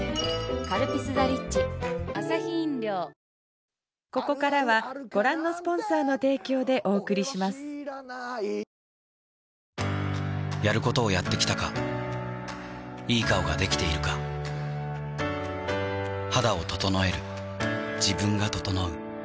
「カルピスＴＨＥＲＩＣＨ」やることをやってきたかいい顔ができているか肌を整える自分が整う